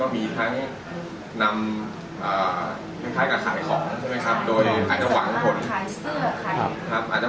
อ่ะนิดหนึ่งทั้งเพราะขายของ